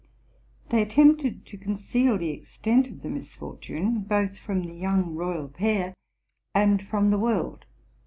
'They attempted to conceal the extent of the mis fortune, both from the young royal pair and from the world, RELATING TO MY LIFE.